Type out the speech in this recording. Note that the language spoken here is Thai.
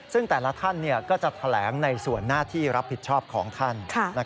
ซึ่งแต่ละท่านก็จะแถลงในส่วนหน้าที่รับผิดชอบของท่าน